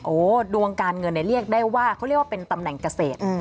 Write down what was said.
โอ้โหดวงการเงินเนี่ยเรียกได้ว่าเขาเรียกว่าเป็นตำแหน่งเกษตร